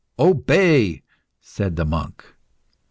"Obey!" said the monk.